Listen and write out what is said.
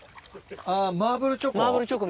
マーブルチョコ？